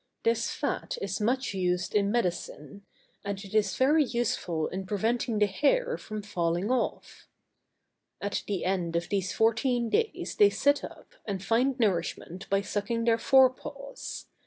This fat is much used in medicine; and it is very useful in preventing the hair from falling off. At the end of these fourteen days they sit up, and find nourishment by sucking their fore paws.